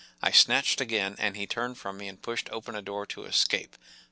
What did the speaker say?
I snatched again, and he turned from me and pushed open a door to escape.